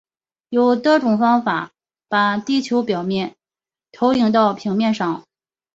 有多种方法把地球表面投影到平面上。